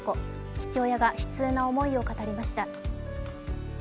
父親が悲痛な思いを語りました。